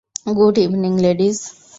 Good evening, ladies.